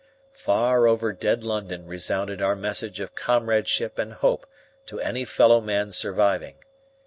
Far over dead London resounded our message of comradeship and hope to any fellow man surviving.